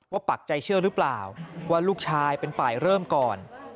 ปักใจเชื่อหรือเปล่าว่าลูกชายเป็นฝ่ายเริ่มก่อน